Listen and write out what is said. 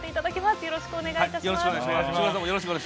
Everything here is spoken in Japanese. よろしくお願いします。